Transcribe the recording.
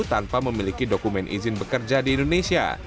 tanpa memiliki dokumen izin bekerja di indonesia